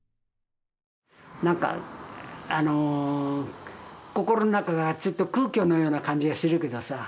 なんかあの心の中がずっと空虚のような感じがしているけどさ